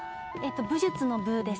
「武術」の「武」です。